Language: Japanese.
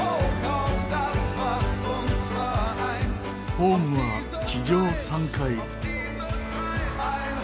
ホームは地上３階。